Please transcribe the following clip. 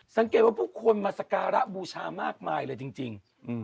สังเกตว่าผู้คนมาสการะบูชามากมายเลยจริง